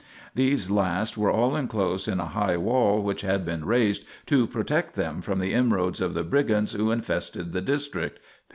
2 These last were all enclosed in a high wall which had been raised to protect them from the inroads of the brigands who infested the district (p.